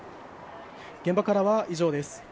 現場からは以上です。